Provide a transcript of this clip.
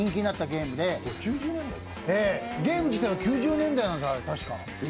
ゲーム自体は９０年代なんですよ、確か。